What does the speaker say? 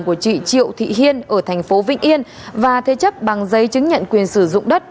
của chị triệu thị hiên ở thành phố vĩnh yên và thế chấp bằng giấy chứng nhận quyền sử dụng đất